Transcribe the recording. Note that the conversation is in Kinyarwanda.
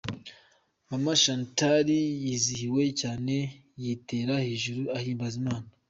Mama Chantal yizihiwe cyane yitera hejuru ahimbaza Imana.